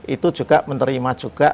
itu juga menerima juga